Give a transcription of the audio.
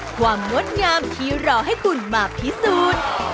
งดงามที่รอให้คุณมาพิสูจน์